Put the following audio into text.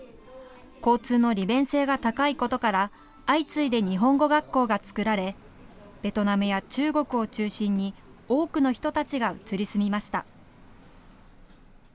交通の利便性が高いことから相次いで日本語学校がつくられベトナムや中国を中心に多くの人たちが移り住みました。